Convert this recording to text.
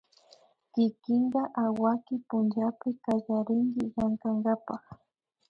kikinka awaki pullapi kallarinki llankakapak